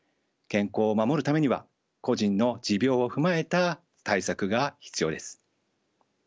健康を守るためには個人の持病を踏まえた対策が必要です。